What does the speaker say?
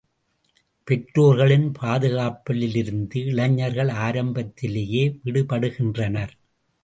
பெற்றோர்களின் பாதுகாப்பிலிருந்து இளைஞர்கள் ஆரம்பத்திலேயே விடுபடுகின்றனர்.